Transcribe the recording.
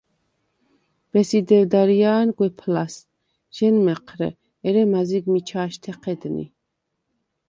ბესი დევდრია̄ნ გვეფ ლას: ჟ’ენმეჴრე, ერე მაზიგ მიჩა̄შთე ჴედნი.